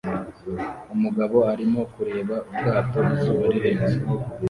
Umugabo arimo kureba ubwato izuba rirenze